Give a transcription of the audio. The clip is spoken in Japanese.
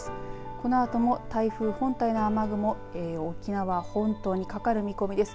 このあとも台風本体の雨雲も沖縄本島にかかる見込みです。